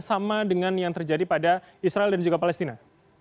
sama dengan yang terjadi pada israel dan juga palestina